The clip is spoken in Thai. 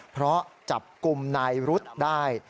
เพราะจับกลุ่มนายรุธได้